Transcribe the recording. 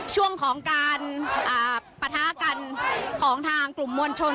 ช่วงของการปะทะกันของทางกลุ่มมวลชน